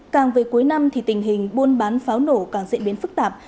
càng về cuối năm thì tình hình buôn bán pháo nổ càng diễn biến phức tạp